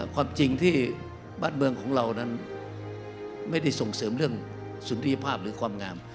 ความจริงที่บ้านเมืองของเรานั้นไม่ได้ส่งเสริมเรื่องสุนรีภาพหรือความงาม